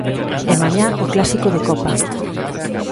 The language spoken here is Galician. E mañá o clásico de Copa.